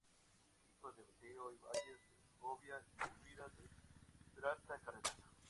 Hijo de Mateo Ibáñez de Segovia y Elvira de Peralta Cárdenas.